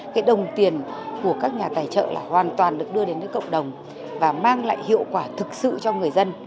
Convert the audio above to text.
cái đồng tiền của các nhà tài trợ là hoàn toàn được đưa đến nước cộng đồng và mang lại hiệu quả thực sự cho người dân